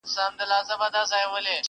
سر مي لوڅ دی پښې مي لوڅي په تن خوار یم؛